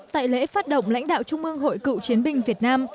tại lễ phát động lãnh đạo trung mương hội cựu chiến binh việt nam